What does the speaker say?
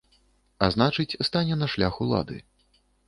А значыць, стане на шлях улады.